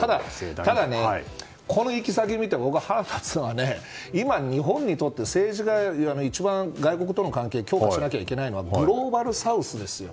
ただ、この行き先を見て僕、腹が立つのは今、日本にとって政治が一番外国との関係を強化しなきゃいけないのはグローバルサウスですよ。